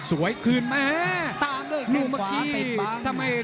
สวยขึ้นนี่มาแห้ตามด้วยแข้งขวาเต็ดวางหนูบอกเมื่อกี้